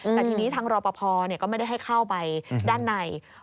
แต่ทีนี้ทางรอปภก็ไม่ได้ให้เข้าไปด้านใน